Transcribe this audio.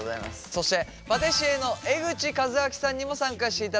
そしてパティシエの江口和明さんにも参加していただきます。